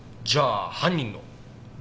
じゃあ犯人の？